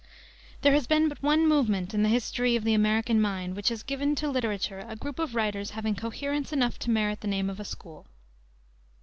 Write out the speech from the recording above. There has been but one movement in the history of the American mind which has given to literature a group of writers having coherence enough to merit the name of a school.